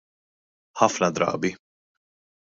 Ħafna drabi.